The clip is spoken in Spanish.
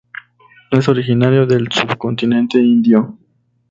Es originario del subcontinente Indio.